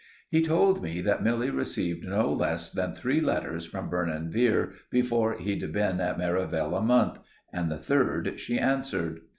He told me that Milly received no less than three letters from Vernon Vere before he'd been at Merivale a month. And the third she answered.